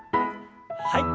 はい。